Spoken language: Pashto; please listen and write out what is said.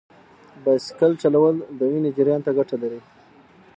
بایسکل چلول د وینې جریان ته ګټه لري.